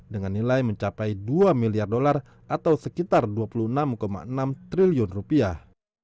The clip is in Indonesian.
dengan nilai mencapai dua miliar dolar atau sekitar dua puluh enam enam triliun rupiah